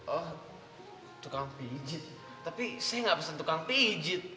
oh tukang pijit tapi saya gak pesen tukang pijit